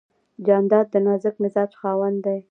جانداد د نازک مزاج خاوند دی.